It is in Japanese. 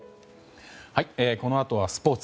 このあとはスポーツ。